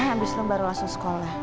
abis itu baru langsung sekolah